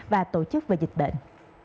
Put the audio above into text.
và tổ chức về dịch bệnh